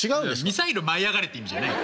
ミサイル舞いあがれって意味じゃない。